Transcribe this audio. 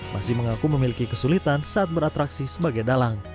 masih mengaku memiliki kesulitan saat beratraksi sebagai dalang